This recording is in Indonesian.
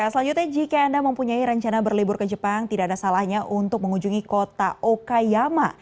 selanjutnya jika anda mempunyai rencana berlibur ke jepang tidak ada salahnya untuk mengunjungi kota okayama